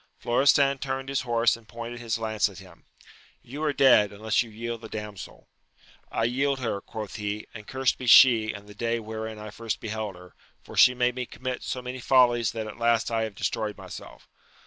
Florestan turned his horse and pointed his lance at him :— ^You are dead, unless you yield the damsel ! I yield her, quoth he, and cursed be she, and the day wherein I first beheld her, for she made me commit so many follies that at last I have destroyed myself.